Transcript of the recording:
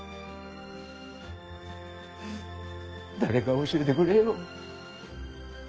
誰か教えてくれよ。